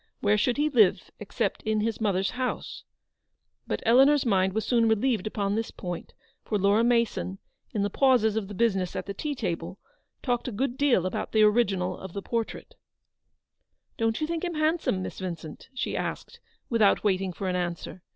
Where should he live except in his mother's house ? But Eleanor's mind was soon relieved upon this point, for Laura Mason, in the pauses of the "business of the tea table, talked a good deal about the original of the portrait. HAZLEW00D. 263 " Don't you tli ink him handsome, Miss Vin cent ? n she asked, without waiting for an answer.